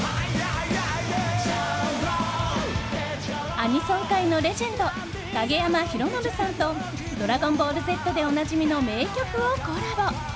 アニソン界のレジェンド影山ヒロノブさんと「ドラゴンボールＺ」でおなじみの名曲をコラボ。